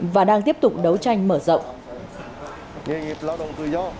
và đang tiếp tục đấu tranh mở rộng